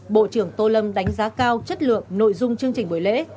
bộ trưởng tô lâm đánh giá cao chất lượng nội dung chương trình buổi lễ